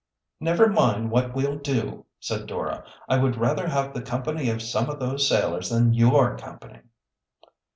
"Never mind what we'll do," said Dora. "I would rather have the company of some of those sailors than your company."